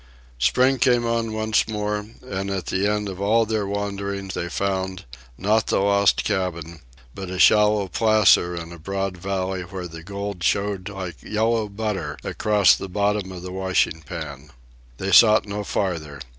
Spring came on once more, and at the end of all their wandering they found, not the Lost Cabin, but a shallow placer in a broad valley where the gold showed like yellow butter across the bottom of the washing pan. They sought no farther.